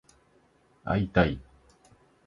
会いたい